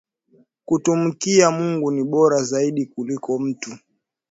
Kutumikia Mungu ni bora zaidi kuliko mutu